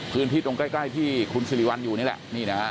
พื้นที่ตรงใกล้ที่คุณสิริวัลอยู่นี่แหละนี่นะฮะ